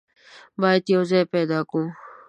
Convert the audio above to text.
بايد يو ځای پيدا کو.